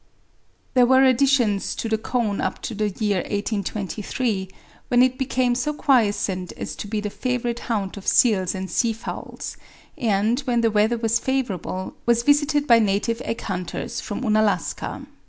There were additions to the cone up to the year 1823, when it became so quiescent as to be the favorite haunt of seals and sea fowls, and, when the weather was favorable, was visited by native egg hunters from Unalaska.